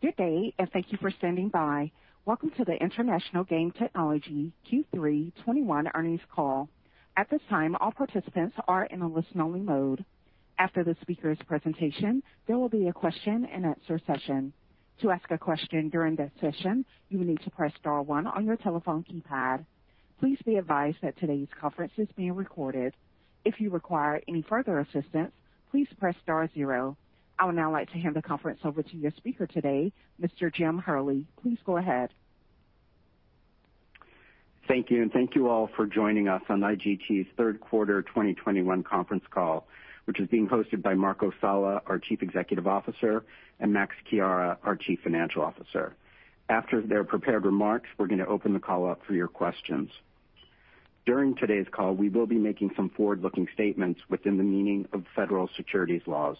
Good day, and thank you for standing by. Welcome to the International Game Technology Q3 2021 earnings call. At this time, all participants are in a listen-only mode. After the speaker's presentation, there will be a question and answer session. To ask a question during that session, you will need to press star one on your telephone keypad. Please be advised that today's conference is being recorded. If you require any further assistance, please press star zero. I would now like to hand the conference over to your speaker today, Mr. Jim Hurley. Please go ahead. Thank you, and thank you all for joining us on IGT's third quarter 2021 conference call, which is being hosted by Marco Sala, our Chief Executive Officer, and Max Chiara, our Chief Financial Officer. After their prepared remarks, we're gonna open the call up for your questions. During today's call, we will be making some forward-looking statements within the meaning of federal securities laws.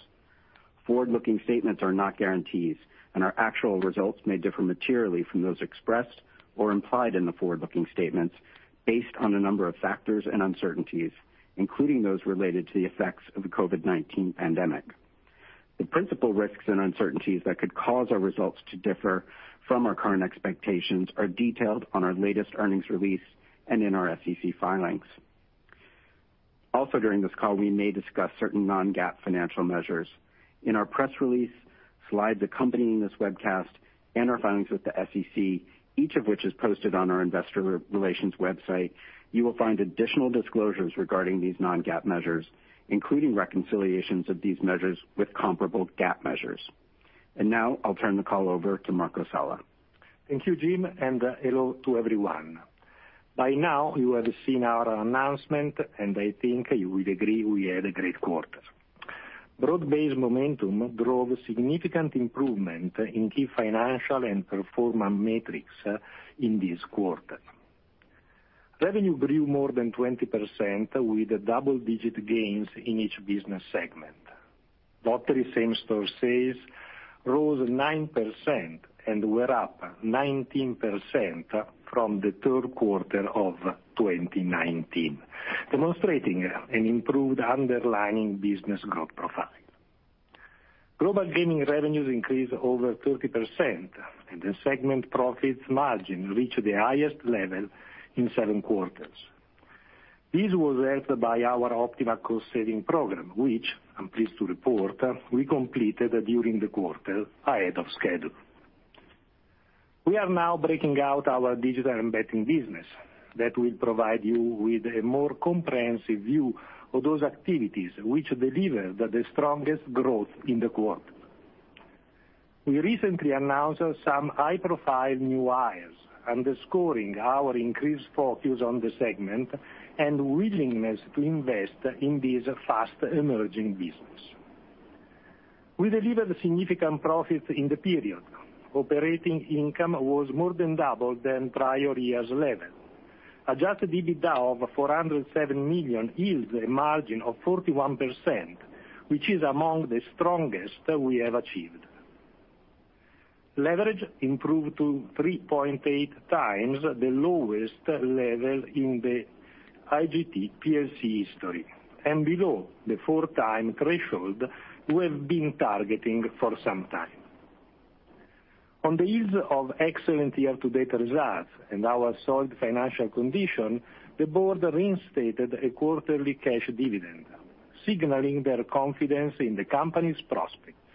Forward-looking statements are not guarantees, and our actual results may differ materially from those expressed or implied in the forward-looking statements based on a number of factors and uncertainties, including those related to the effects of the COVID-19 pandemic. The principal risks and uncertainties that could cause our results to differ from our current expectations are detailed on our latest earnings release and in our SEC filings. Also, during this call, we may discuss certain non-GAAP financial measures. In our press release, slides accompanying this webcast and our filings with the SEC, each of which is posted on our investor relations website, you will find additional disclosures regarding these non-GAAP measures, including reconciliations of these measures with comparable GAAP measures. Now I'll turn the call over to Marco Sala. Thank you, Jim, and hello to everyone. By now, you have seen our announcement, and I think you would agree we had a great quarter. Broad-based momentum drove significant improvement in key financial and performance metrics in this quarter. Revenue grew more than 20% with double-digit gains in each business segment. Lottery same-store sales rose 9% and were up 19% from the third quarter of 2019, demonstrating an improved underlying business growth profile. Global gaming revenues increased over 30%, and the segment profit margin reached the highest level in seven quarters. This was helped by our OPtiMa cost-saving program, which I'm pleased to report we completed during the quarter ahead of schedule. We are now breaking out our Digital & Betting business that will provide you with a more comprehensive view of those activities which deliver the strongest growth in the quarter. We recently announced some high-profile new hires, underscoring our increased focus on the segment and willingness to invest in this fast-emerging business. We delivered significant profits in the period. Operating income was more than double the prior year's level. Adjusted EBITDA of $407 million yields a margin of 41%, which is among the strongest we have achieved. Leverage improved to 3.8x the lowest level in the IGT PLC history and below the 4x threshold we have been targeting for some time. On the heels of excellent year-to-date results and our solid financial condition, the board reinstated a quarterly cash dividend, signaling their confidence in the company's prospects.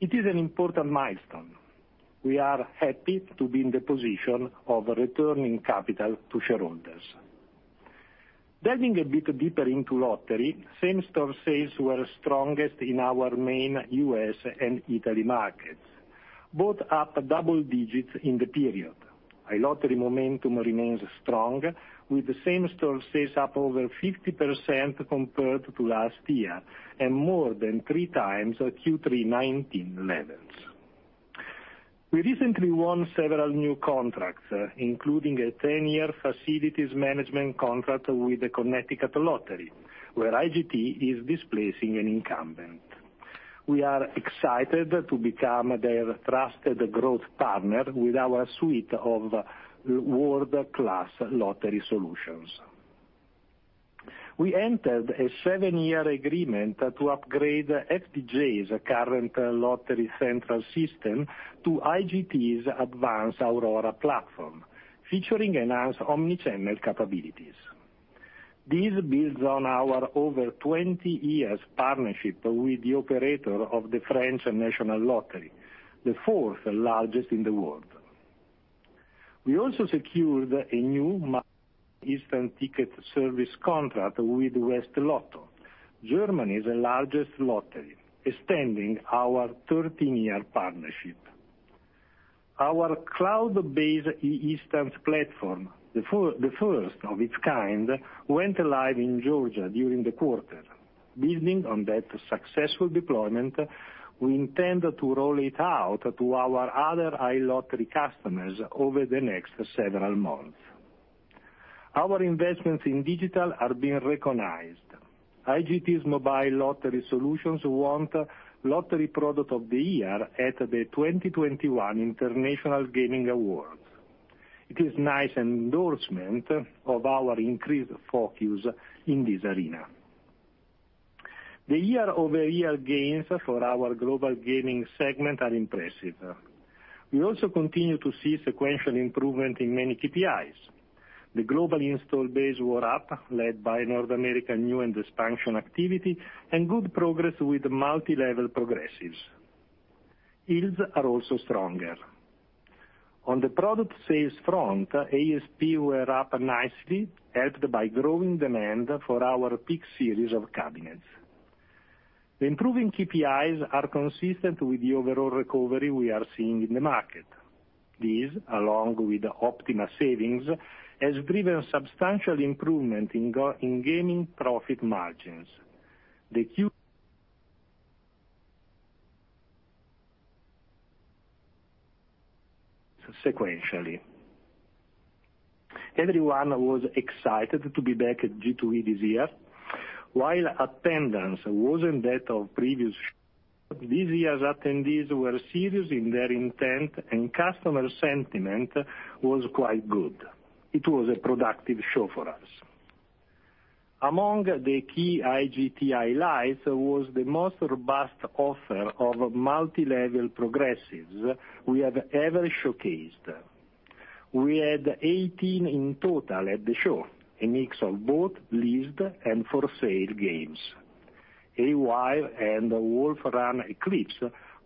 It is an important milestone. We are happy to be in the position of returning capital to shareholders. Diving a bit deeper into lottery, same-store sales were strongest in our main U.S. and- Italy markets, both up double digits in the period. Our lottery momentum remains strong, with same-store sales up over 50% compared to last year and more than three times our Q3 2019 levels. We recently won several new contracts, including a ten-year facilities management contract with the Connecticut Lottery, where IGT is displacing an incumbent. We are excited to become their trusted growth partner with our suite of world-class lottery solutions. We entered a seven-year agreement to upgrade FDJ's current lottery central system to IGT's advanced Aurora platform, featuring enhanced omnichannel capabilities. This builds on our over 20 years partnership with the operator of the French National Lottery, the fourth-largest in the world. We also secured a new e-instant ticket service contract with WestLotto, Germany's largest lottery, extending our thirteen-year partnership. Our cloud-based e-instant platform, the first of its kind, went live in Georgia during the quarter. Building on that successful deployment, we intend to roll it out to our other iLottery customers over the next several months. Our investments in digital are being recognized. IGT's mobile lottery solutions won Lottery Product of the Year at the 2021 International Gaming Awards. It is nice endorsement of our increased focus in this arena. The year-over-year gains for our global gaming segment are impressive. We also continue to see sequential improvement in many KPIs. The global install base were up, led by North American new and expansion activity and good progress with multilevel progressives. Yields are also stronger. On the product sales front, ASP were up nicely, helped by growing demand for our Peak series of cabinets. The improving KPIs are consistent with the overall recovery we are seeing in the market. These, along with the OPtiMa savings, has driven substantial improvement in gaming profit margins. Everyone was excited to be back at G2E this year. While attendance wasn't that of previous years, this year's attendees were serious in their intent, and customer sentiment was quite good. It was a productive show for us. Among the key IGT highlights was the most robust offer of multilevel progressives we have ever showcased. We had 18 in total at the show, a mix of both leased and for sale games. Aces Wild and Wolf Run Eclipse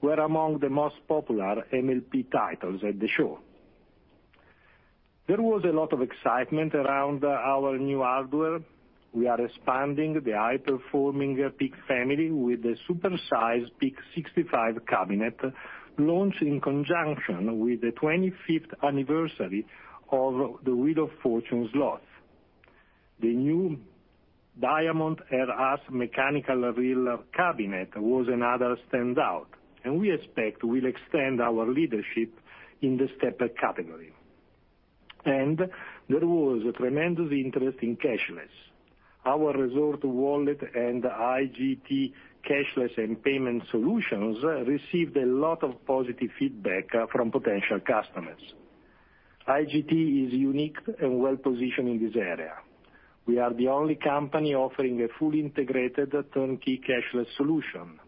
were among the most popular MLP titles at the show. There was a lot of excitement around our new hardware. We are expanding the high-performing Peak family with the super-sized Peak65 cabinet, launched in conjunction with the 25th anniversary of the Wheel of Fortune Slots. The new DiamondRS mechanical reel cabinet was another standout, and we expect will extend our leadership in the step-up category. There was a tremendous interest in cashless. Our Resort Wallet and IGT Cashless and Payment Solutions received a lot of positive feedback from potential customers. IGT is unique and well-positioned in this area. We are the only company offering a fully integrated turnkey cashless solution.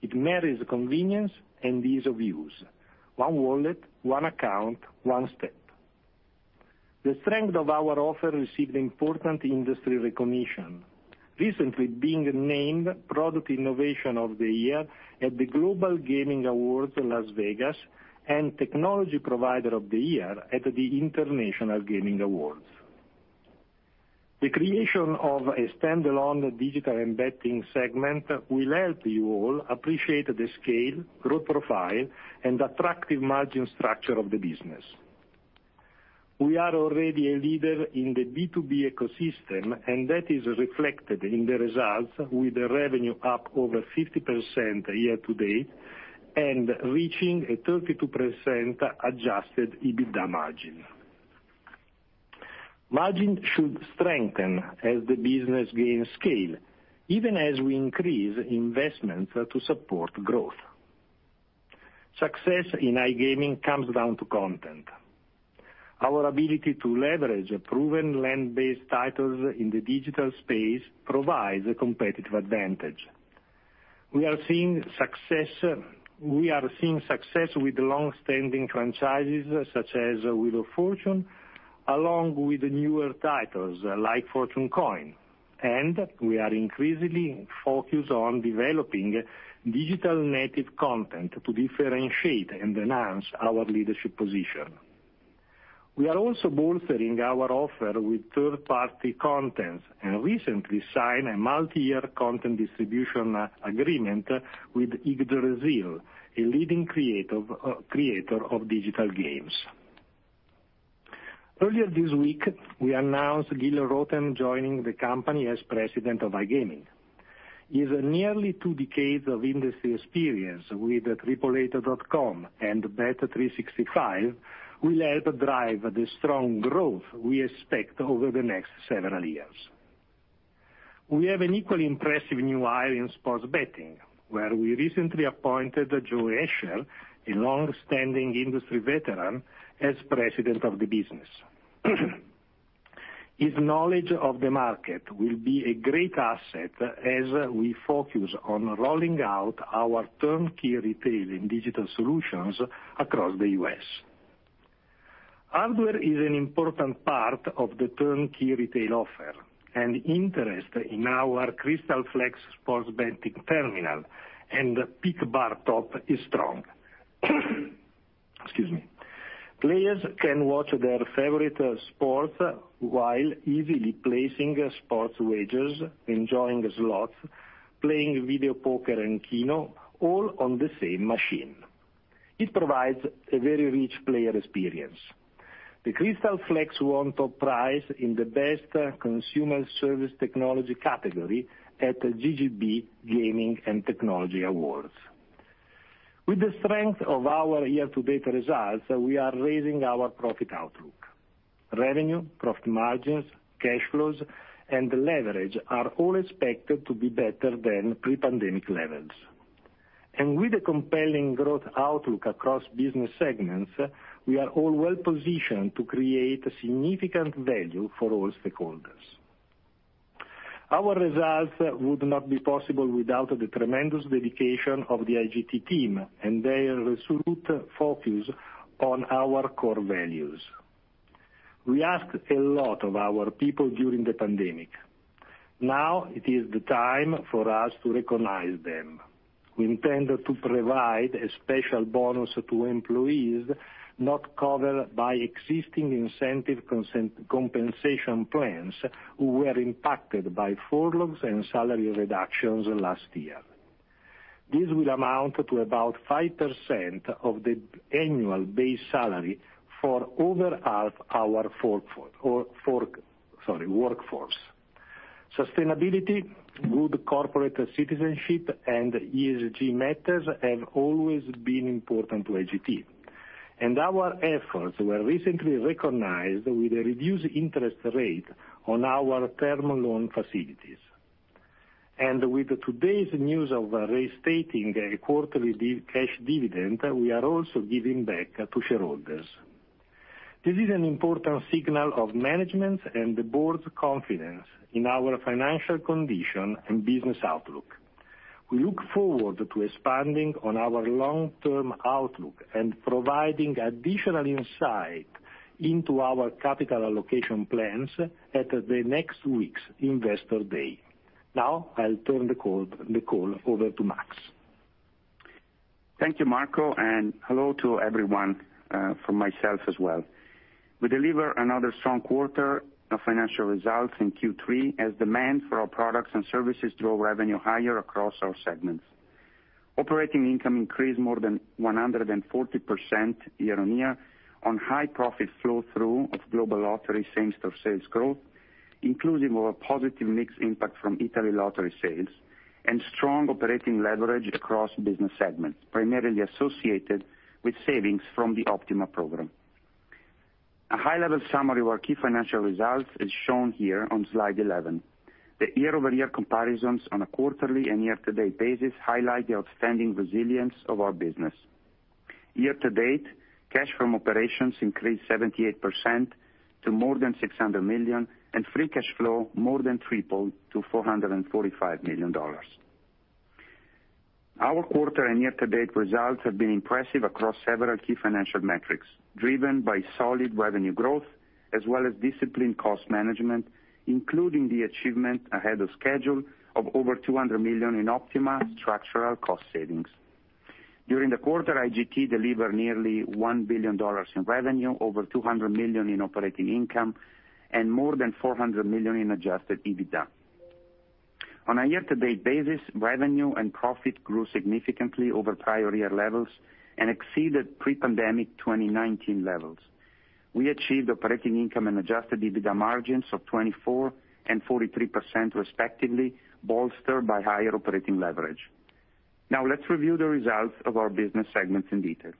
It marries convenience and ease of use. One wallet, one account, one step. The strength of our offer received important industry recognition, recently being named Product Innovation of the Year at the Global Gaming Awards in Las Vegas and Technology Provider of the Year at the International Gaming Awards. The creation of a standalone Digital & Betting segment will help you all appreciate the scale, growth profile, and attractive margin structure of the business. We are already a leader in the B2B ecosystem, and that is reflected in the results with the revenue up over 50% year to date, and reaching a 32% adjusted EBITDA margin. Margin should strengthen as the business gains scale, even as we increase investments to support growth. Success in iGaming comes down to content. Our ability to leverage proven land-based titles in the digital space provides a competitive advantage. We are seeing success with long-standing franchises such as Wheel of Fortune, along with newer titles like Fortune Coin. We are increasingly focused on developing digital native content to differentiate and enhance our leadership position. We are also bolstering our offer with third-party content, and recently signed a multi-year content distribution agreement with IGT Brazil, a leading creator of digital games. Earlier this week, we announced Gil Rotem joining the company as President of iGaming. His nearly two decades of industry experience with 888.com and bet365 will help drive the strong growth we expect over the next several years. We have an equally impressive new hire in sports betting, where we recently appointed Joe Asher, a long-standing industry veteran, as president of the business. His knowledge of the market will be a great asset as we focus on rolling out our turnkey retail and digital solutions across the U.S. Hardware is an important part of the turnkey retail offer, and interest in our CrystalFlex sports betting terminal and Peak bar top is strong. Excuse me. Players can watch their favorite sports while easily placing sports wagers, enjoying slots, playing video poker and keno, all on the same machine. It provides a very rich player experience. The CrystalFlex won top prize in the Best Consumer Service Technology category at GGB Gaming & Technology Awards. With the strength of our year-to-date results, we are raising our profit outlook. Revenue, profit margins, cash flows, and leverage are all expected to be better than pre-pandemic levels. With the compelling growth outlook across business segments, we are all well-positioned to create a significant value for all stakeholders. Our results would not be possible without the tremendous dedication of the IGT team and their resolute focus on our core values. We ask a lot of our people during the pandemic. Now it is the time for us to recognize them. We intend to provide a special bonus to employees not covered by existing incentive compensation plans who were impacted by furloughs and salary reductions last year. This will amount to about 5% of the annual base salary for over half our workforce. Sustainability, good corporate citizenship, and ESG matters have always been important to IGT, and our efforts were recently recognized with a reduced interest rate on our term loan facilities. With today's news of reinstating a quarterly cash dividend, we are also giving back to shareholders. This is an important signal of management and the board's confidence in our financial condition and business outlook. We look forward to expanding on our long-term outlook and providing additional insight into our capital allocation plans at the next week's Investor Day. Now I'll turn the call over to Max. Thank you, Marco, and hello to everyone, from myself as well. We deliver another strong quarter of financial results in Q3 as demand for our products and services drove revenue higher across our segments. Operating income increased more than 140% year-over-year on high profit flow through of global lottery same-store sales growth, inclusive of a positive mix impact from Italy lottery sales and strong operating leverage across business segments, primarily associated with savings from the OPtiMa program. A high-level summary of our key financial results is shown here on slide 11. The year-over-year comparisons on a quarterly and year-to-date basis highlight the outstanding resilience of our business. Year-to-date, cash from operations increased 78% to more than $600 million, and free cash flow more than tripled to $445 million. Our quarter and year-to-date results have been impressive across several key financial metrics, driven by solid revenue growth as well as disciplined cost management, including the achievement ahead of schedule of over $200 million in OPtiMa structural cost savings. During the quarter, IGT delivered nearly $1 billion in revenue, over $200 million in operating income, and more than $400 million in adjusted EBITDA. On a year-to-date basis, revenue and profit grew significantly over prior year levels and exceeded pre-pandemic 2019 levels. We achieved operating income and adjusted EBITDA margins of 24% and 43% respectively, bolstered by higher operating leverage. Now let's review the results of our business segments in detail.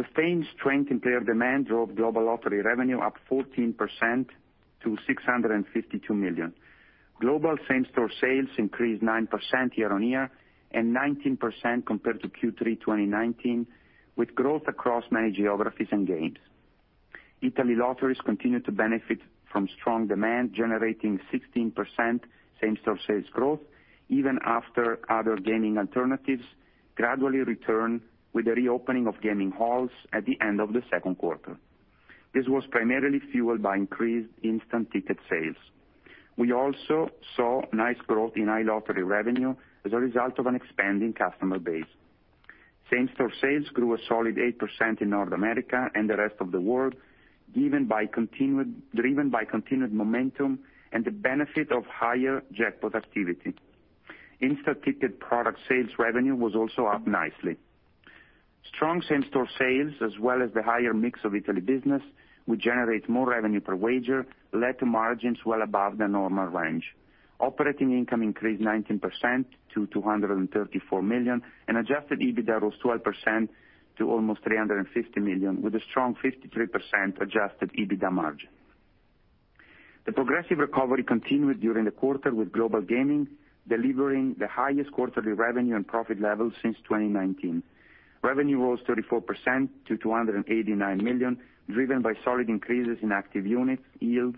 Sustained strength in player demand drove global lottery revenue up 14% to $652 million. Global same-store sales increased 9% year-on-year and 19% compared to Q3 2019, with growth across many geographies and games. Italy lotteries continued to benefit from strong demand, generating 16% same-store sales growth even after other gaming alternatives gradually returned with the reopening of gaming halls at the end of the second quarter. This was primarily fueled by increased instant ticket sales. We also saw nice growth in iLottery revenue as a result of an expanding customer base. Same-store sales grew a solid 8% in North America and the rest of the world, driven by continued momentum and the benefit of higher jackpot activity. Instant ticket product sales revenue was also up nicely. Strong same-store sales as well as the higher mix of Italy business will generate more revenue per wager led to margins well above the normal range. Operating income increased 19% to $234 million, and adjusted EBITDA rose 12% to almost $350 million, with a strong 53% adjusted EBITDA margin. The progressive recovery continued during the quarter with global gaming delivering the highest quarterly revenue and profit levels since 2019. Revenue rose 34% to $289 million, driven by solid increases in active units, yield,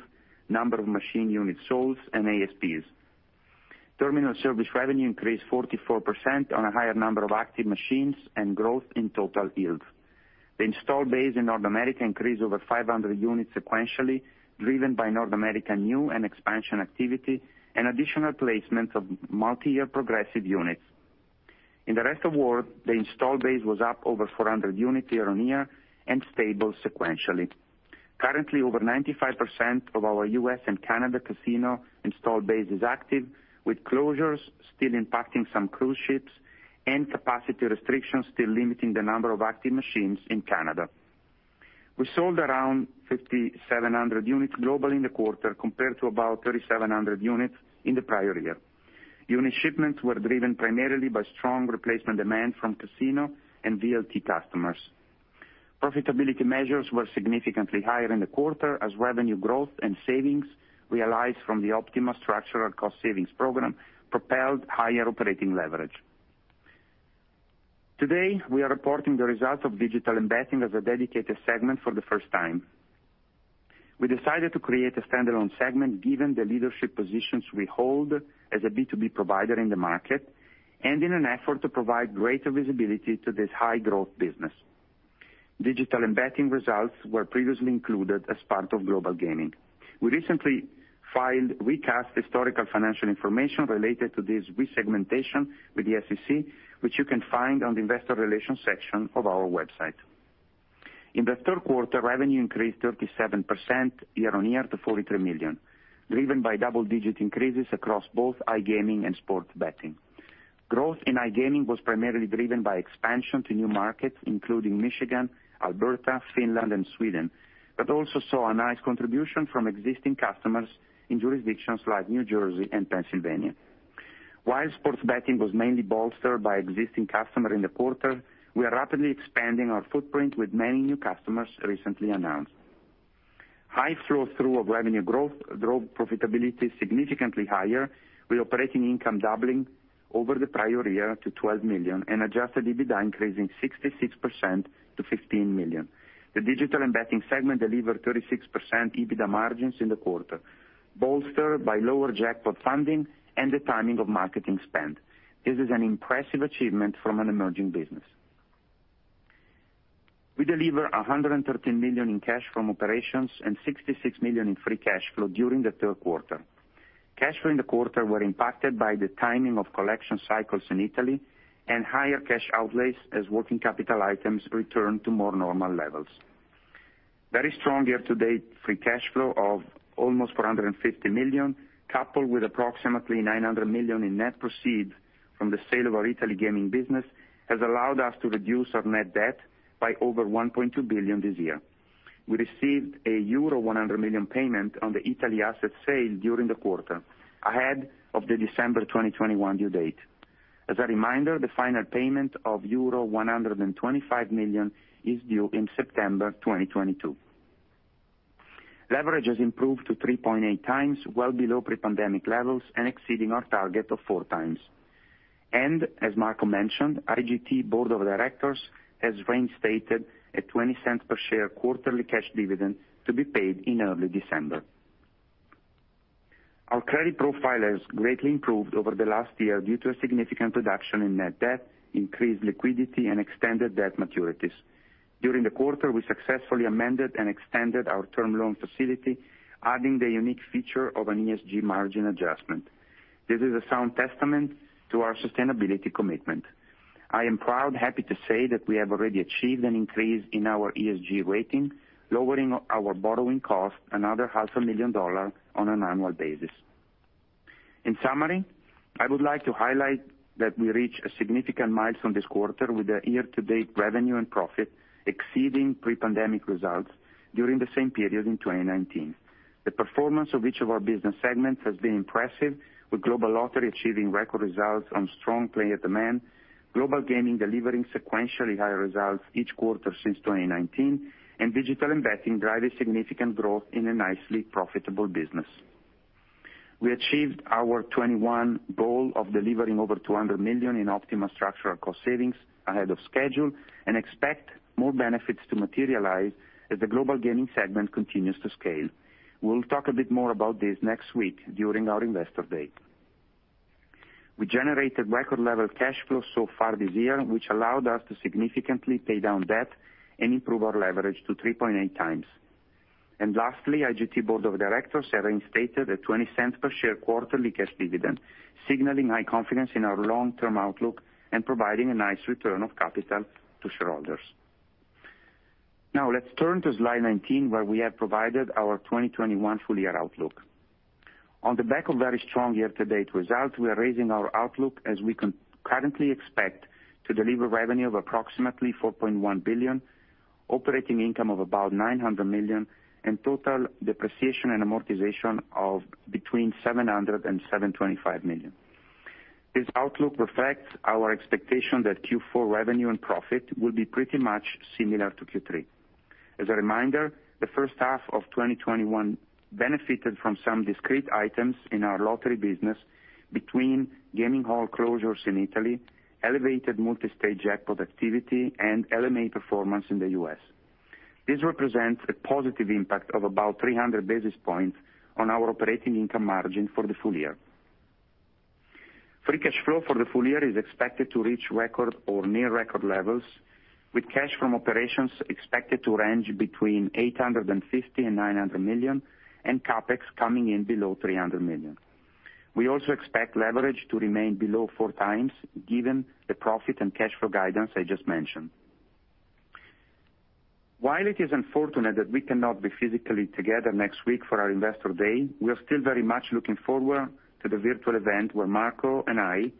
number of machine units sold, and ASPs. Terminal service revenue increased 44% on a higher number of active machines and growth in total yield. The install base in North America increased over 500 units sequentially, driven by North American new and expansion activity and additional placements of multiyear progressive units. In the rest of world, the install base was up over 400 units year-on-year and stable sequentially. Currently, over 95% of our U.S. and Canada casino installed base is active, with closures still impacting some cruise ships and capacity restrictions still limiting the number of active machines in Canada. We sold around 5,700 units globally in the quarter compared to about 3,700 units in the prior year. Unit shipments were driven primarily by strong replacement demand from casino and VLT customers. Profitability measures were significantly higher in the quarter as revenue growth and savings realized from the OPtiMa structural cost savings program propelled higher operating leverage. Today, we are reporting the results of digital embedding as a dedicated segment for the first time. We decided to create a standalone segment given the leadership positions we hold as a B2B provider in the market, and in an effort to provide greater visibility to this high growth business. Digital & Betting results were previously included as part of global gaming. We recently filed recast historical financial information related to this re-segmentation with the SEC, which you can find on the Investor Relations section of our website. In the third quarter, revenue increased 37% year-on-year to $43 million, driven by double-digit increases across both iGaming and sports betting. Growth in iGaming was primarily driven by expansion to new markets, including Michigan, Alberta, Finland, and Sweden, but also saw a nice contribution from existing customers in jurisdictions like New Jersey and Pennsylvania. While sports betting was mainly bolstered by existing customer in the quarter, we are rapidly expanding our footprint with many new customers recently announced. High flow through of revenue growth drove profitability significantly higher with operating income doubling over the prior year to $12 million and adjusted EBITDA increasing 66% to $15 million. The Digital & Betting segment delivered 36% EBITDA margins in the quarter, bolstered by lower jackpot funding and the timing of marketing spend. This is an impressive achievement from an emerging business. We delivered $113 million in cash from operations and $66 million in free cash flow during the third quarter. Cash flow in the quarter were impacted by the timing of collection cycles in Italy and higher cash outlays as working capital items return to more normal levels. Very strong year-to-date free cash flow of almost $450 million, coupled with approximately $900 million in net proceeds from the sale of our Italy gaming business, has allowed us to reduce our net debt by over $1.2 billion this year. We received a euro 100 million payment on the Italy asset sale during the quarter, ahead of the December 2021 due date. As a reminder, the final payment of euro 125 million is due in September 2022. Leverage has improved to 3.8x, well below pre-pandemic levels and exceeding our target of four times. As Marco mentioned, IGT board of directors has reinstated a $0.20 per share quarterly cash dividend to be paid in early December. Our credit profile has greatly improved over the last year due to a significant reduction in net debt, increased liquidity and extended debt maturities. During the quarter, we successfully amended and extended our term loan facility, adding the unique feature of an ESG margin adjustment. This is a sound testament to our sustainability commitment. I am proud, happy to say that we have already achieved an increase in our ESG rating, lowering our borrowing cost another half a million dollars on an annual basis. In summary, I would like to highlight that we reach a significant milestone this quarter with our year-to-date revenue and profit exceeding pre-pandemic results during the same period in 2019. The performance of each of our business segments has been impressive, with global lottery achieving record results on strong player demand, global gaming delivering sequentially higher results each quarter since 2019, and digital and betting driving significant growth in a nicely profitable business. We achieved our 2021 goal of delivering over $200 million in OPtiMa structural cost savings ahead of schedule and expect more benefits to materialize as the global gaming segment continues to scale. We'll talk a bit more about this next week during our investor day. We generated record level cash flow so far this year, which allowed us to significantly pay down debt and improve our leverage to 3.8x. Lastly, IGT Board of Directors have reinstated a $0.20 per share quarterly cash dividend, signaling high confidence in our long-term outlook and providing a nice return of capital to shareholders. Now let's turn to slide 19, where we have provided our 2021 full year outlook. On the back of very strong year-to-date results, we are raising our outlook as we can currently expect to deliver revenue of approximately $4.1 billion, operating income of about $900 million, and total depreciation and amortization of between $700 million and $725 million. This outlook reflects our expectation that Q4 revenue and profit will be pretty much similar to Q3. As a reminder, the first half of 2021 benefited from some discrete items in our lottery business between gaming hall closures in Italy, elevated multi-stage jackpot activity and LMA performance in the U.S. This represents a positive impact of about 300 basis points on our operating income margin for the full year. Free cash flow for the full year is expected to reach record or near record levels, with cash from operations expected to range between $850 million and $900 million and CapEx coming in below $300 million. We also expect leverage to remain below four times, given the profit and cash flow guidance I just mentioned. While it is unfortunate that we cannot be physically together next week for our investor day, we are still very much looking forward to the virtual event where Marco and I,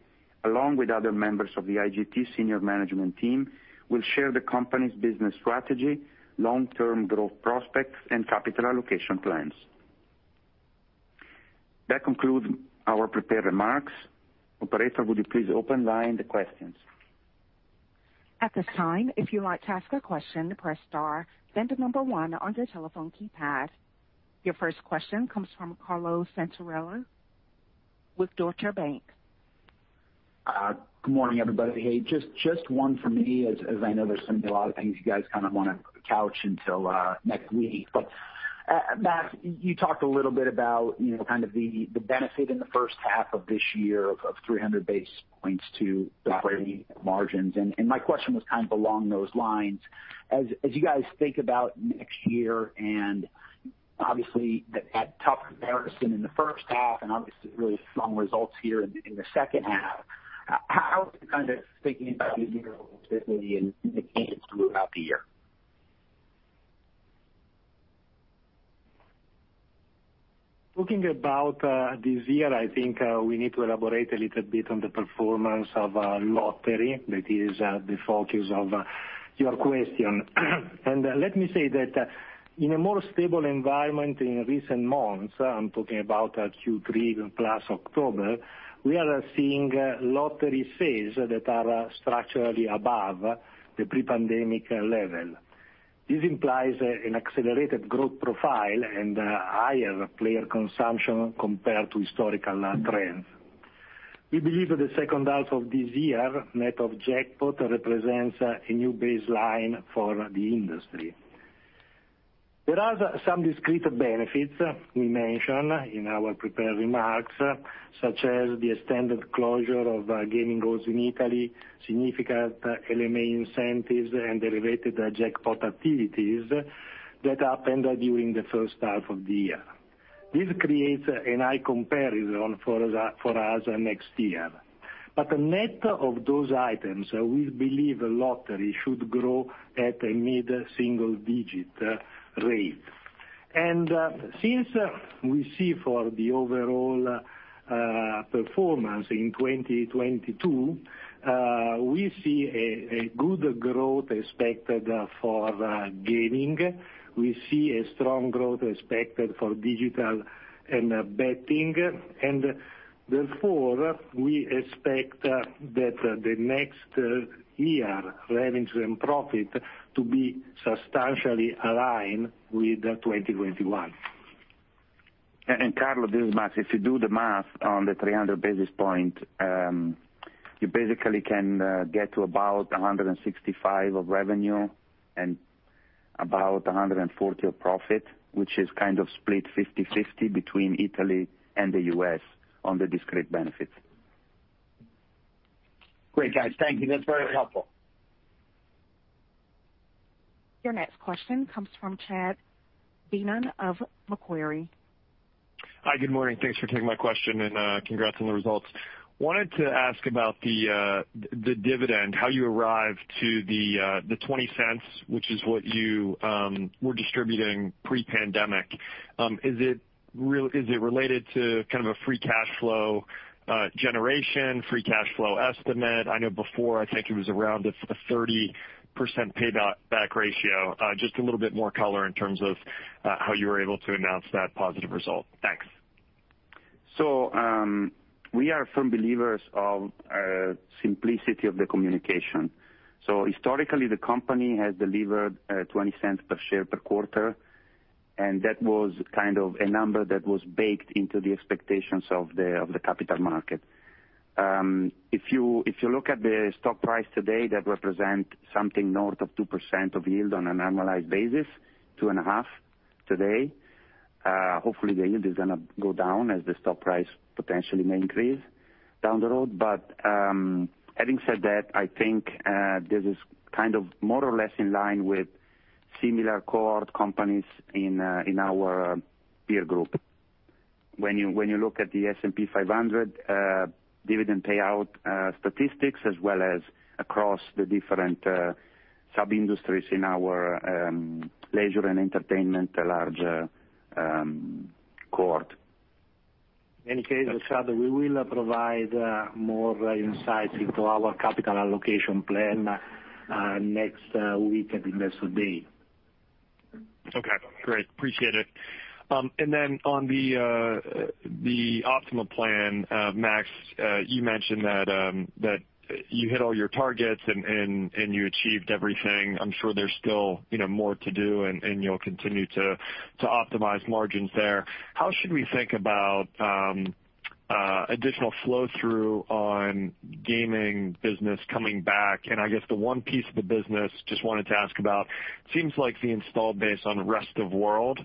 along with other members of the IGT senior management team, will share the company's business strategy, long-term growth prospects, and capital allocation plans. That concludes our prepared remarks. Operator, would you please open line to questions? At this time, if you'd like to ask a question, press star, then the number one on your telephone keypad. Your first question comes from Carlo Santarelli with Deutsche Bank. Good morning, everybody. Hey, just one for me as I know there's gonna be a lot of things you guys kinda wanna couch until next week. Max, you talked a little bit about, you know, kind of the benefit in the first half of this year of 300 basis points to- Yeah. about the operating margins. My question was kind of along those lines. As you guys think about next year, and obviously that tough comparison in the first half and obviously really strong results here in the second half, how are you kind of thinking about this year and guidance throughout the year? Talking about this year, I think we need to elaborate a little bit on the performance of lottery. That is the focus of your question. Let me say that in a more stable environment in recent months, I'm talking about Q3 plus October, we are seeing lottery sales that are structurally above the pre-pandemic level. This implies an accelerated growth profile and higher player consumption compared to historical trends. We believe that the second half of this year, net of jackpot, represents a new baseline for the industry. There are some discrete benefits we mention in our prepared remarks, such as the extended closure of gaming halls in Italy, significant LMA incentives, and the related jackpot activities that happened during the first half of the year. This creates a high comparison for us next year. Net of those items, we believe the Lottery should grow at a mid-single digit rate. Since we see for the overall performance in 2022, we see a good growth expected for Gaming. We see a strong growth expected for Digital & Betting. Therefore, we expect that next year revenues and profit to be substantially aligned with 2021. Carlo, this is Max. If you do the math on the 300 basis points, you basically can get to about $165 of revenue and about $140 of profit, which is kind of split 50/50 between Italy and the U.S. on the discrete benefits. Great, guys. Thank you. That's very helpful. Your next question comes from Chad Beynon of Macquarie. Hi, good morning. Thanks for taking my question, and congrats on the results. Wanted to ask about the dividend, how you arrived to the $0.20, which is what you were distributing pre-pandemic. Is it related to kind of a free cash flow generation, free cash flow estimate? I know before I think it was around a 30% payout ratio. Just a little bit more color in terms of how you were able to announce that positive result. Thanks. We are firm believers of simplicity of the communication. Historically, the company has delivered $0.20 per share per quarter, and that was kind of a number that was baked into the expectations of the capital market. If you look at the stock price today, that represent something north of 2% of yield on an annualized basis, 2.5% today. Hopefully, the yield is gonna go down as the stock price potentially may increase down the road. Having said that, I think this is kind of more or less in line with similar cohort companies in our peer group. When you look at the S&P 500 dividend payout statistics, as well as across the different sub-industries in our leisure and entertainment, a larger cohort. In any case, Chad, we will provide more insights into our capital allocation plan next week at Investor Day. Okay, great. Appreciate it. And then on the OPtiMa plan, Max, you mentioned that you hit all your targets and you achieved everything. I'm sure there's still, you know, more to do and you'll continue to optimize margins there. How should we think about additional flow-through on gaming business coming back? And I guess the one piece of the business just wanted to ask about, seems like the install base on rest of world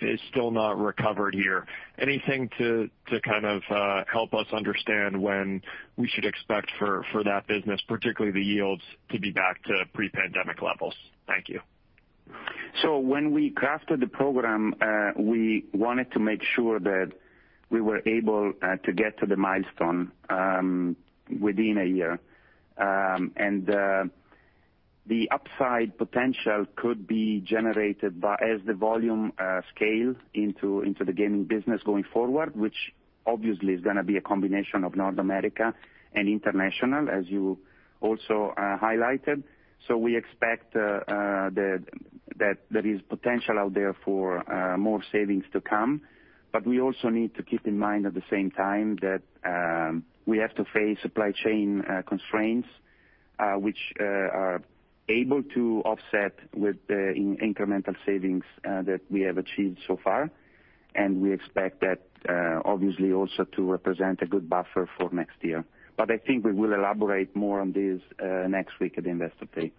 is still not recovered here. Anything to kind of help us understand when we should expect for that business, particularly the yields, to be back to pre-pandemic levels? Thank you. When we crafted the program, we wanted to make sure that we were able to get to the milestone within a year. The upside potential could be generated as the volume scales into the gaming business going forward. Obviously, it's gonna be a combination of North America and international, as you also highlighted. We expect that there is potential out there for more savings to come. We also need to keep in mind at the same time that we have to face supply chain constraints, which we are able to offset with the incremental savings that we have achieved so far. We expect that obviously also to represent a good buffer for next year. I think we will elaborate more on this next week at Investor Day.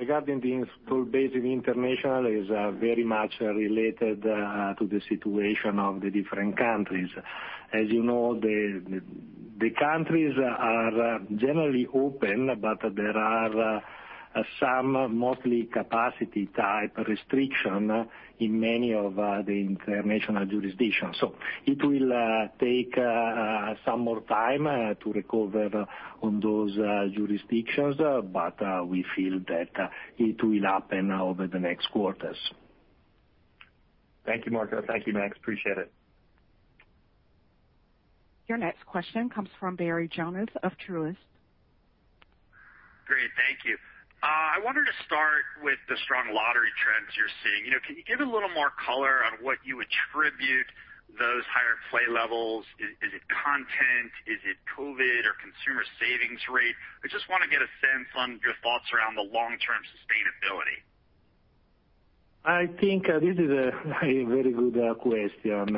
Regarding the install base in international is very much related to the situation of the different countries. As you know, the countries are generally open, but there are some mostly capacity-type restriction in many of the international jurisdictions. It will take some more time to recover on those jurisdictions, but we feel that it will happen over the next quarters. Thank you, Marco. Thank you, Max. Appreciate it. Your next question comes from Barry Jonas of Truist. Great, thank you. I wanted to start with the strong lottery trends you're seeing. You know, can you give a little more color on what you attribute those higher play levels? Is it content? Is it COVID or consumer savings rate? I just wanna get a sense on your thoughts around the long-term sustainability. I think this is a very good question.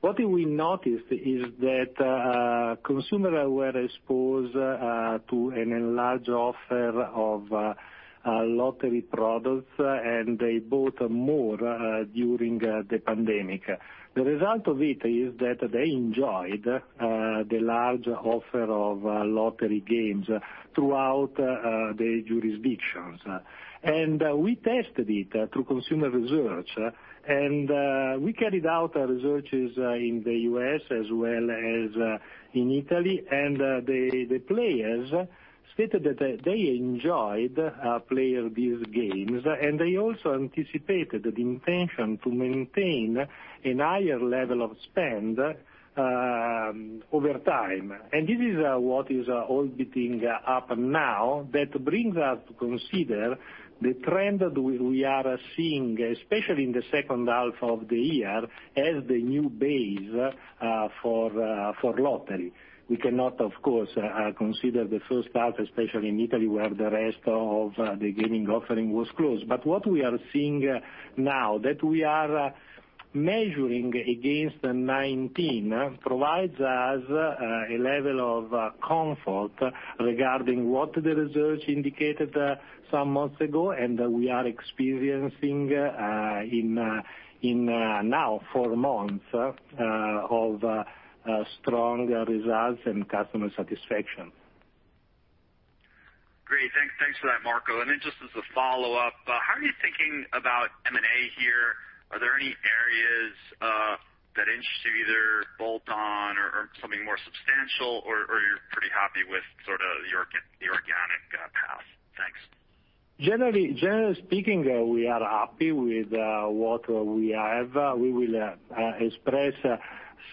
What we noticed is that consumers were exposed to an enlarged offer of lottery products, and they bought more during the pandemic. The result of it is that they enjoyed the large offer of lottery games throughout the jurisdictions. We tested it through consumer research. We carried out researches in the U.S. as well as in Italy. The players stated that they enjoyed playing these games, and they also anticipated the intention to maintain a higher level of spend over time. This is what is reporting up now that brings us to consider the trend that we are seeing, especially in the second half of the year, as the new base for lottery. We cannot, of course, consider the first half, especially in Italy, where the rest of the gaming offering was closed. What we are seeing now, that we are measuring against 2019, provides us a level of comfort regarding what the research indicated some months ago, and we are experiencing in now four months of strong results and customer satisfaction. Great. Thanks for that, Marco. Just as a follow-up, how are you thinking about M&A here? Are there any areas that interest you, either bolt-on or something more substantial, or you're pretty happy with sort of the organic path? Thanks. Generally speaking, we are happy with what we have. We will express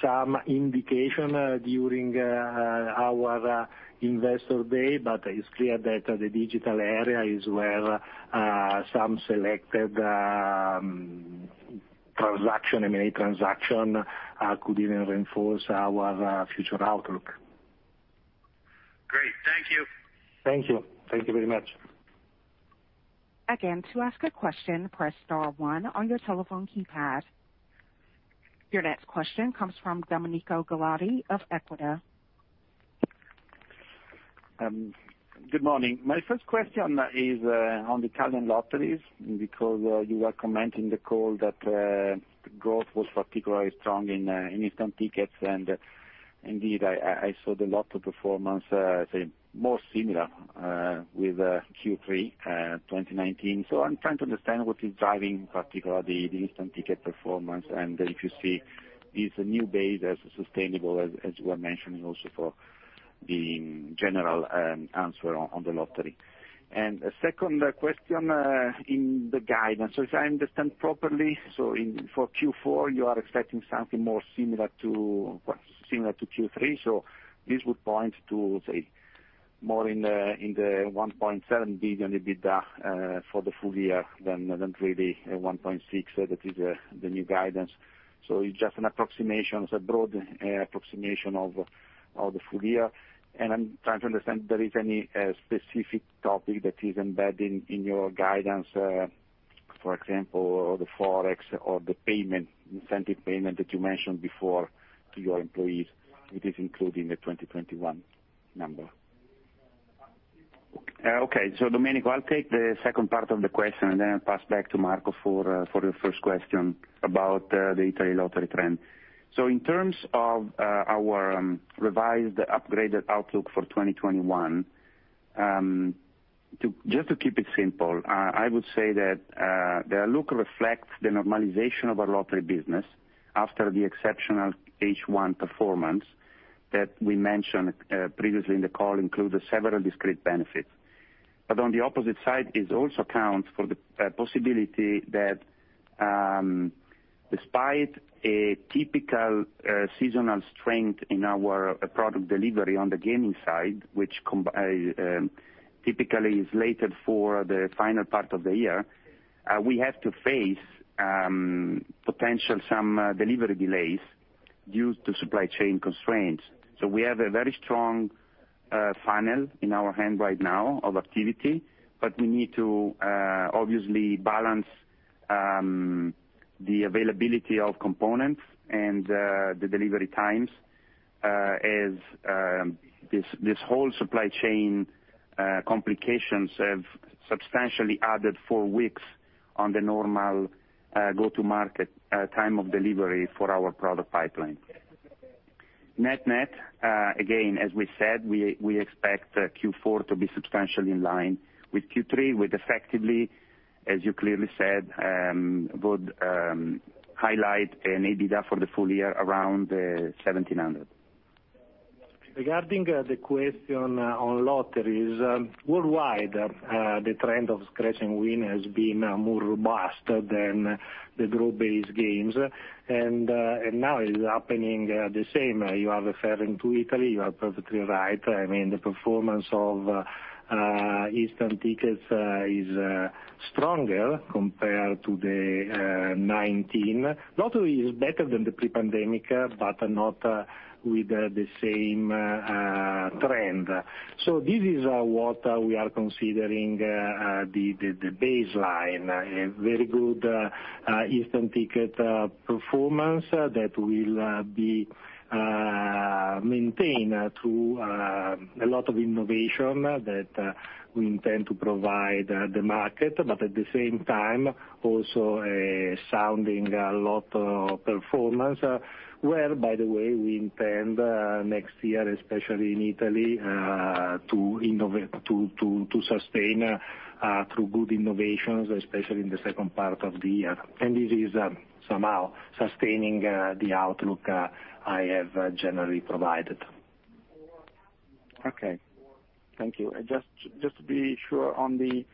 some indication during our Investor Day, but it's clear that the digital area is where some selected M&A transaction could even reinforce our future outlook. Great. Thank you. Thank you. Thank you very much. Again, to ask a question, press star one on your telephone keypad. Your next question comes from Domenico Ghilotti of Equita. Good morning. My first question is on the Italian lotteries, because you were commenting on the call that growth was particularly strong in instant tickets. Indeed, I saw the lotto performance say more similar with Q3 2019. I'm trying to understand what is driving particularly the instant ticket performance, and if you see this new base as sustainable, as you were mentioning also for the general answer on the lottery. A second question in the guidance. If I understand properly, for Q4 you are expecting something more similar to Q3, so this would point to say more in the $1.7 billion EBITDA for the full year than really $1.6, that is the new guidance. It's just an approximation. It's a broad approximation of the full year. I'm trying to understand if there is any specific topic that is embedded in your guidance, for example, the Forex or the incentive payment that you mentioned before to your employees, if it's included in the 2021 number. Domenico, I'll take the second part of the question, and then I'll pass back to Marco for the first question about the Italy lottery trend. In terms of our revised upgraded outlook for 2021, just to keep it simple, I would say that the outlook reflects the normalization of our lottery business after the exceptional H1 performance that we mentioned previously in the call, included several discrete benefits. On the opposite side it also accounts for the possibility that, despite a typical seasonal strength in our product delivery on the gaming side, which typically is slated for the final part of the year, we have to face some potential delivery delays due to supply chain constraints. We have a very strong funnel in our hand right now of activity, but we need to obviously balance the availability of components and the delivery times, as this whole supply chain complications have substantially added four weeks on the normal go-to-market time of delivery for our product pipeline. Net-net, again, as we said, we expect Q4 to be substantially in line with Q3, with effectively, as you clearly said, would highlight an EBITDA for the full year around $1,700. Regarding the question on lotteries worldwide, the trend of scratch and win has been more robust than the group-based games. Now it's happening the same. You are referring to Italy, you are perfectly right. I mean, the performance of instant tickets is stronger compared to 2019. The lottery is better than the pre-pandemic, but not with the same trend. This is what we are considering the baseline. A very good instant ticket performance that will be maintained through a lot of innovation that we intend to provide the market, but at the same time, also seeing a lot of performance, where, by the way, we intend next year, especially in Italy, to sustain through good innovations, especially in the second part of the year. This is somehow sustaining the outlook I have generally provided. Okay. Thank you. Just to be sure on the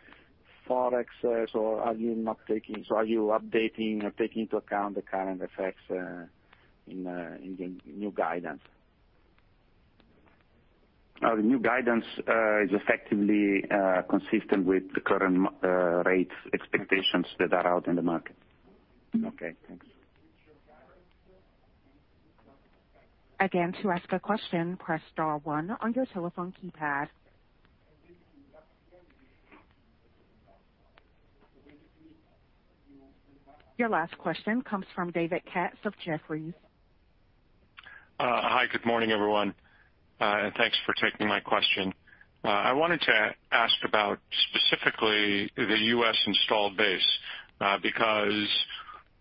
Forex, are you updating or taking into account the current effects in the new guidance? Our new guidance is effectively consistent with the current rates expectations that are out in the market. Okay, thanks. Your last question comes from David Katz of Jefferies. Hi. Good morning, everyone, and thanks for taking my question. I wanted to ask about specifically the U.S. installed base, because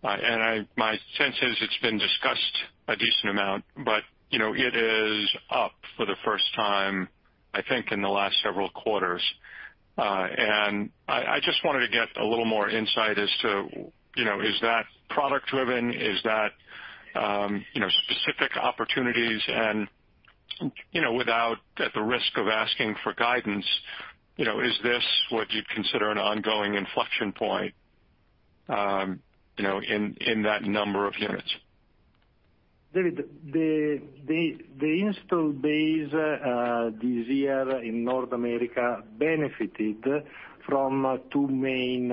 my sense is it's been discussed a decent amount, but, you know, it is up for the first time, I think, in the last several quarters. I just wanted to get a little more insight as to, you know, is that product driven? Is that, you know, specific opportunities and, you know, without, at the risk of asking for guidance, you know, is this what you'd consider an ongoing inflection point, you know, in that number of units? David, the install base this year in North America benefited from two main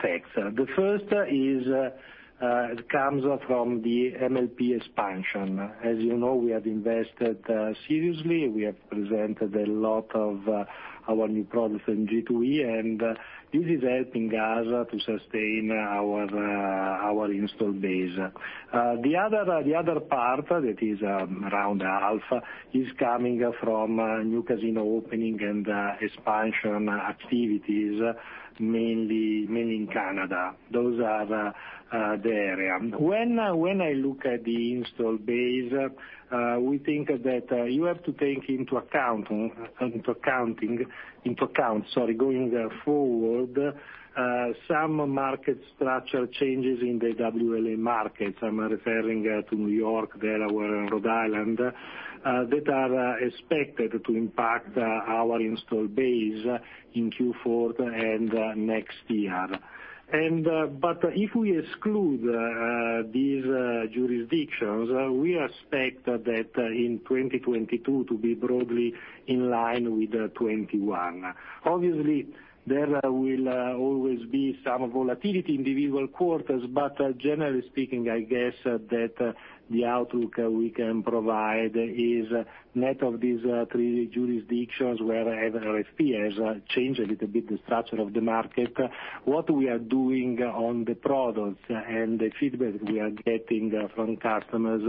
facts. The first is, it comes from the MLP expansion. As you know, we have invested seriously. We have presented a lot of our new products in G2E, and this is helping us to sustain our install base. The other part that is around half is coming from a new casino opening and expansion activities, mainly in Canada. Those are the area. When I look at the install base, we think that you have to take into account, sorry, going forward, some market structural changes in the WLA markets. I'm referring to New York, Delaware, and Rhode Island that are expected to impact our install base in Q4 and next year. If we exclude these jurisdictions, we expect that our install base in 2022 to be broadly in line with 2021. Obviously, there will always be some volatility individual quarters, but generally speaking, I guess that the outlook we can provide is net of these three jurisdictions where RFP has changed a little bit the structure of the market. What we are doing on the products and the feedback we are getting from customers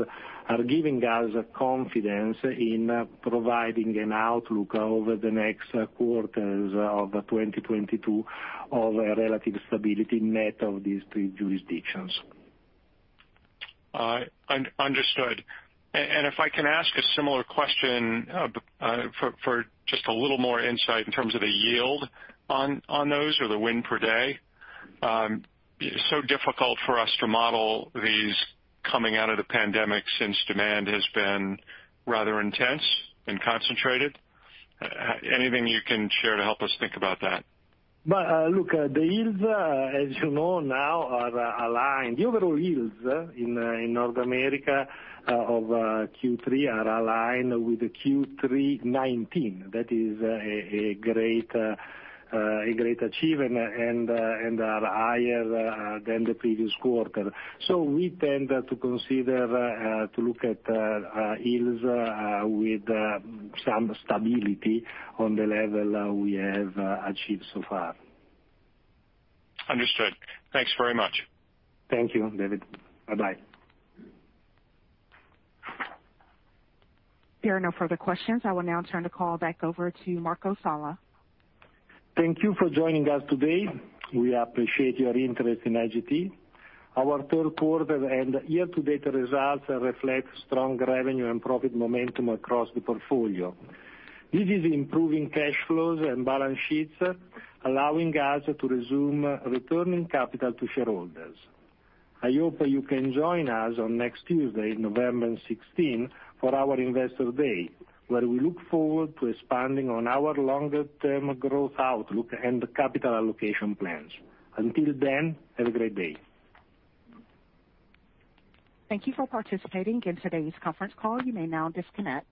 are giving us confidence in providing an outlook over the next quarters of 2022 of a relative stability net of these three jurisdictions. Understood. If I can ask a similar question, for just a little more insight in terms of the yield on those or the win per day. Difficult for us to model these coming out of the pandemic since demand has been rather intense and concentrated. Anything you can share to help us think about that? look, the yields, as you know now are aligned. The overall yields in North America of Q3 are aligned with the Q3 2019. That is a great achievement and are higher than the previous quarter. we tend to consider to look at yields with some stability on the level we have achieved so far. Understood. Thanks very much. Thank you, David. Bye-bye. There are no further questions. I will now turn the call back over to Marco Sala. Thank you for joining us today. We appreciate your interest in IGT. Our third quarter and year-to-date results reflect strong revenue and profit momentum across the portfolio. This is improving cash flows and balance sheets, allowing us to resume returning capital to shareholders. I hope you can join us on next Tuesday, November 16, for our Investor Day, where we look forward to expanding on our longer-term growth outlook and capital allocation plans. Until then, have a great day. Thank you for participating in today's conference call. You may now disconnect.